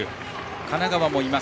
神奈川もいます